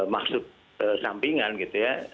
maksud sampingan gitu ya